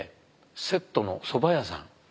セットの蕎麦屋さん